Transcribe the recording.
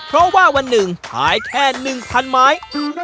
เพราะว่าวันหนึ่งขายแค่๑๐๐ไม้